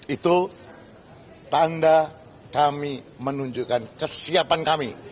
itu tanda kami menunjukkan kesiapan kami